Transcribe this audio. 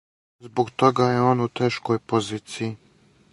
Због тога је он у тешкој позицији.